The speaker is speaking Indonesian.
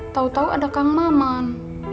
tau tau ada kang maman